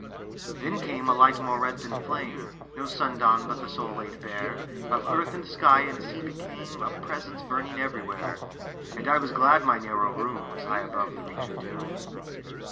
Then came a light more red than flame; No sun dawn, but the soul laid bare Of earth and sky and sea became A presence burning everywhere; And I was glad my narrow room Was high above the reach of doom.